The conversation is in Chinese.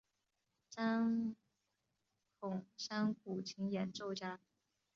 张孔山古琴演奏家。